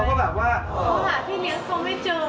เขาหาพี่เลี้ยงสงไม่เจอ